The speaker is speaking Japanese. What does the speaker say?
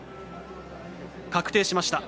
確定しました。